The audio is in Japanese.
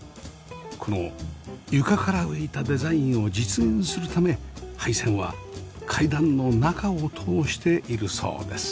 この床から浮いたデザインを実現するため配線は階段の中を通しているそうです